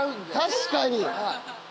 確かに。